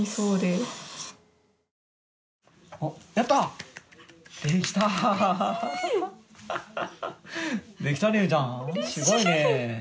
すごいね。